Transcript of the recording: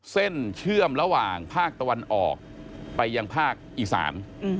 เชื่อมระหว่างภาคตะวันออกไปยังภาคอีสาน